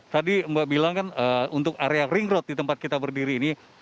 tadi mbak bilang kan untuk area ring road di tempat kita berdiri ini